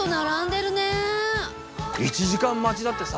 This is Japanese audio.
１時間待ちだってさ。